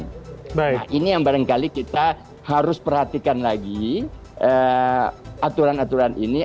nah ini yang barangkali kita harus perhatikan lagi aturan aturan ini